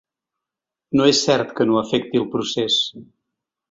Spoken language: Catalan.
No és cert que no afecti el procés.